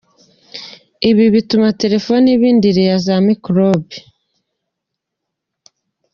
Ibi bituma telefoni iba indiri ya za mikorobe.